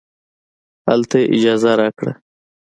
هلته یې اجازه راکړه.